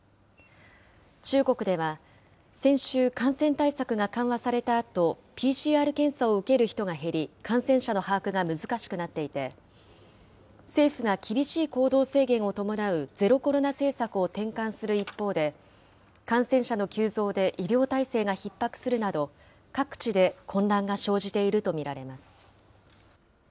中国では、先週、感染対策が緩和されたあと、ＰＣＲ検査を受ける人が減り、感染者の把握が難しくなっていて、政府が厳しい行動制限を伴うゼロコロナ政策を転換する一方で、感染者の急増で医療体制がひっ迫するなど、各地で混乱が生じていると見られます。